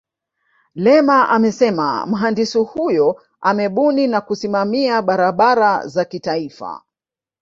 lema amesema mhandisi huyo amebuni na kusimamia barabara za kitaifa